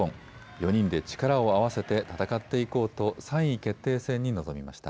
４人で力を合わせて戦っていこうと３位決定戦に臨みました。